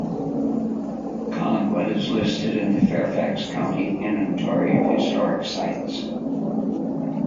Collingwood is listed on the Fairfax County Inventory of Historic Sites.